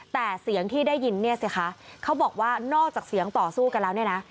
แต่เสียงที่ได้ยินเนี่ยสิคะเขาบอกว่านอกจากเสียงต่อสู้กันแล้วเนี่ยนะ